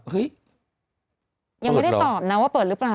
เฮ้ยยังไม่ได้ตอบนะว่าเปิดหรือเปล่า